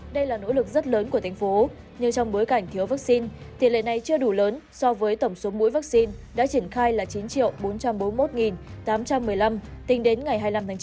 đây là nỗ lực rất lớn của thành phố nhưng trong bối cảnh thiếu vaccine tỷ lệ này chưa đủ lớn so với tổng số mũi vaccine đã triển khai là chín bốn trăm bốn mươi một tám trăm một mươi năm tính đến ngày hai mươi năm tháng chín